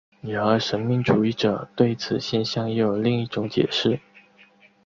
然而神秘主义者对此现象又有另一种解释。